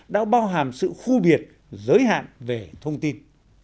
đã bao hàm sự khu biệt giới hạn về thông tin